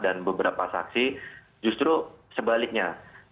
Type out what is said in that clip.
dan beberapa saksi justru sebaliknya